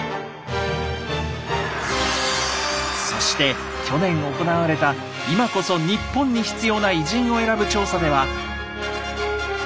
そして去年行われた「今こそ日本に必要な偉人」を選ぶ調査では。